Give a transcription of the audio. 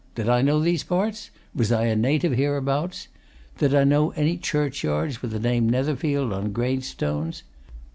Did I know these parts? was I a native hereabouts? did I know any churchyards with the name Netherfield on gravestones?